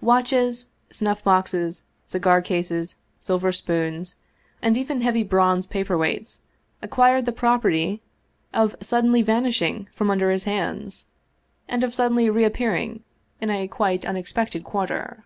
Watches, snuff boxes, cigar cases, silver spoons, and even heavy bronze paper weights acquired the property of suddenly vanishing from under his hands, and of suddenly reappear ing in a quite unexpected quarter.